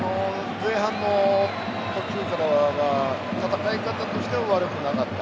前半の途中からは戦い方としては悪くなかった。